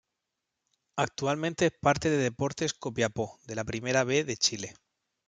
Actualmente es parte de Deportes Copiapó de la Primera B de Chile.